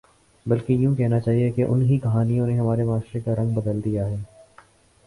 بلکہ یوں کہنا چاہیے کہ ان ہی کہانیوں نے ہمارے معاشرے کا رنگ بدل دیا ہے